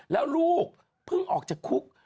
แล้วลูกเพิ่งออกจากคุก